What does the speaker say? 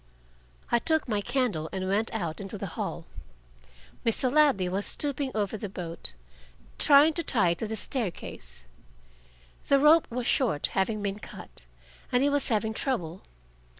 I took my candle and went out into the hall. Mr. Ladley was stooping over the boat, trying to tie it to the staircase. The rope was short, having been cut, and he was having trouble.